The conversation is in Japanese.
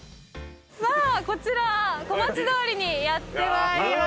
さあこちら小町通りにやってまいりました。